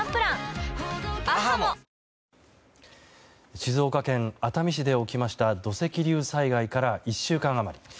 静岡県熱海市で起きました土石流災害から１週間余り。